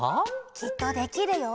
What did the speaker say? きっとできるよ。